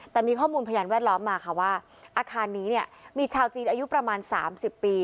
แต่มีข้อมูลพยานแวดล้อมมาค่ะว่าอาคารนี้เนี่ยมีชาวจีนอายุประมาณ๓๐ปี